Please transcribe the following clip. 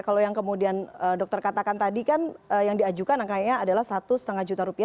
kalau yang kemudian dokter katakan tadi kan yang diajukan angkanya adalah satu lima juta rupiah